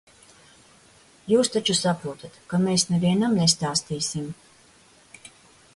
Jūs taču saprotat, ka mēs nevienam nestāstīsim.